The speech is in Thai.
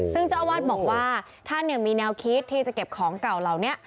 ซึ่งเจ้าอาวาสบอกว่าท่านมีแนวคิดที่จะเก็บของเก่าเหล่านี้